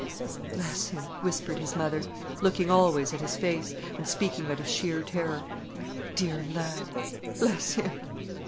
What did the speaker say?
"Bless him," whispered his mother, looking always at his face, and speaking out of sheer terror. "Dear lad—bless him!"